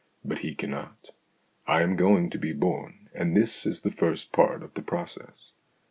But he cannot. I am going to be born, and this is the first part of the process.